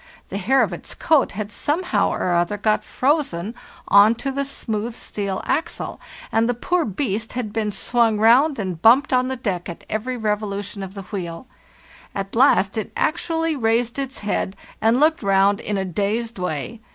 The hair of its coat had somehow or other got frozen on to the smooth steel axle, and the poor beast had been swung round and bumped on the deck at every revolution of the wheel. At last it actually raised its head, and looked round in a dazed way.